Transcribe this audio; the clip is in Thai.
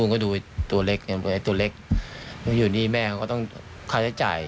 ก็ต้องต่อมาสมมติให้คุณมาท้าย